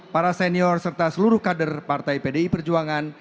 para senior serta seluruh kader partai pdi perjuangan